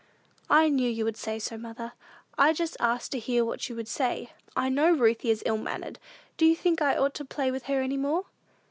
"I knew you would say so, mother. I just asked to hear what you would say. I know Ruthie is ill mannered: do you think I ought to play with her any more?"